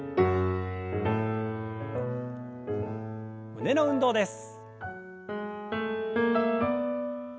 胸の運動です。